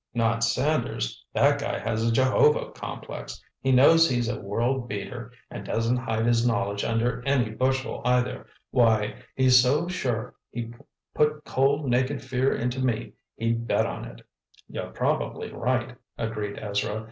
"Not Sanders. That guy has a Jehovah complex. He knows he's a world beater and doesn't hide his knowledge under any bushel, either. Why, he's so sure he put cold, naked fear into me he'd bet on it!" "You're probably right," agreed Ezra.